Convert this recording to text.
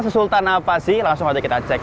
susultan apa sih langsung aja kita cek